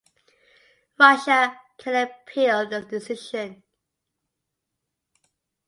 Russia can appeal the decision.